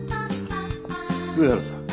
上原さん。